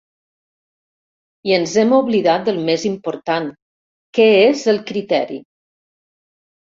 I ens hem oblidat del més important, que és el criteri.